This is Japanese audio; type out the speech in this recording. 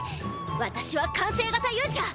私は完成型勇者！